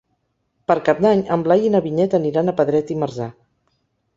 Per Cap d'Any en Blai i na Vinyet aniran a Pedret i Marzà.